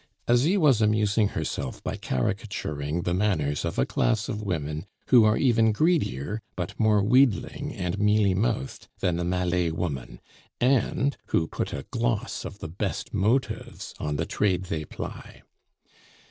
Asie was amusing herself by caricaturing the manners of a class of women who are even greedier but more wheedling and mealy mouthed than the Malay woman, and who put a gloss of the best motives on the trade they ply.